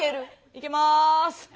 いけます。